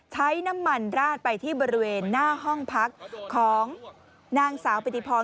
ใช้น้ำมันราดไปที่บริเวณหน้าห้องพักของนางสาวปิติพร